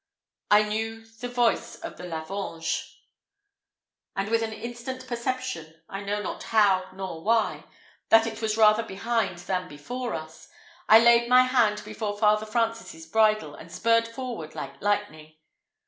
I knew the voice of the lavange, and with an instant perception, I know not how nor why, that it was rather behind than before us, I laid my hand upon Father Francis's bridle, and spurred forward like lightning.